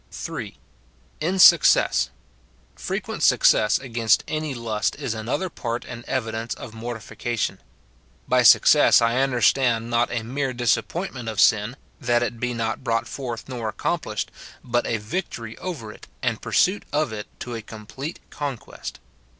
(3.) In success. Frequent success against any lust is another part and evidence of mortification. By success I understand not a mere disappointment of sin, that it be not brought forth nor accomplished, but a victory over it, and pursuit of it to a complete conquest.